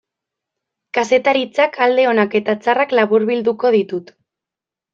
Kazetaritzak alde onak eta txarrak laburbilduko ditut.